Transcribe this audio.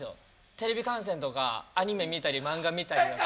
テレビ観戦とかアニメ見たり漫画見たりとか。